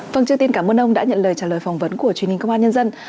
vâng trước tiên cảm ơn ông đã nhận lời trả lời phỏng vấn của truyền hình công an nhân dân